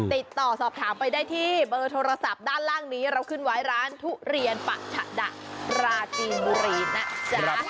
ติดต่อสอบถามไปได้ที่เบอร์โทรศัพท์ด้านล่างนี้เราขึ้นไว้ร้านทุเรียนปะฉะดะปราจีนบุรีนะจ๊ะ